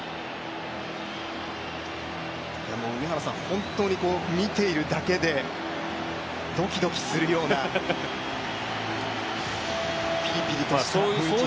本当に見ているだけで、ドキドキするような、ピリピリとした空気が。